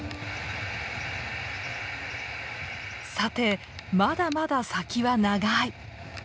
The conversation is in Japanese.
さてまだまだ先は長い。